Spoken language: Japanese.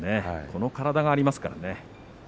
この体がありますからね。